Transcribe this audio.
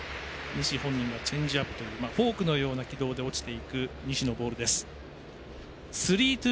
西本人もチェンジアップというフォークのように落ちていく西のボールです。